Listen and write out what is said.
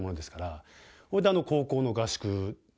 それで高校の合宿で。